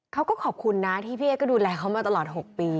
เขาก็ขอบคุณนะที่พี่เอ๊ก็ดูแลเขามาตลอด๖ปี